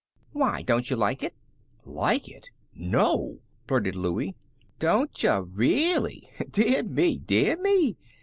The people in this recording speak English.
"Why? Don't you like it?" "Like it! No!" blurted Louie. "Don't yuh, rully! Deah me! Deah me!